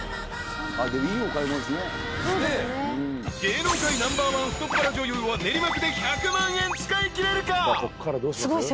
［芸能界ナンバーワン太っ腹女優は練馬区で１００万円使いきれるか？］